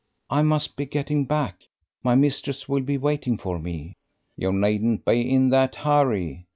"I must be getting back, my mistress will be waiting for me." "You needn't be in that hurry.